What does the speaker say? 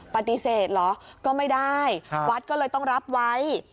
ปฏิเสธเหรอก็ไม่ได้วัดก็เลยต้องรับไว้